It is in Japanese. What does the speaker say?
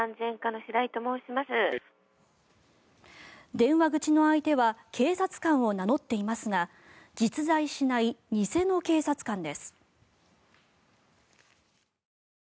電話口の相手は警察官を名乗っていますが実在しない偽の警察官です。